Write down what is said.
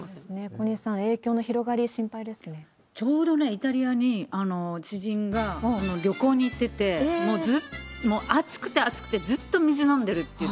小西さん、影響ちょうどね、イタリアに知人が旅行に行ってて、もう暑くて暑くてずっと水飲んでるっていう。